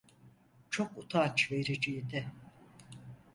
Çok utanç vericiydi.